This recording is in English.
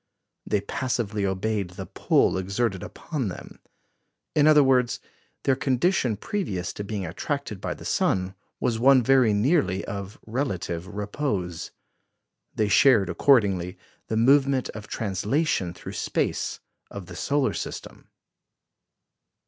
They passively obeyed the pull exerted upon them. In other words, their condition previous to being attracted by the sun was one very nearly of relative repose. They shared, accordingly, the movement of translation through space of the solar system.